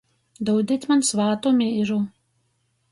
Dūdit maņ svātu mīru.